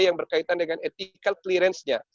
yang berkaitan dengan ethical clearance nya